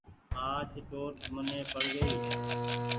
آج ٽوٽ مني پڙ گئي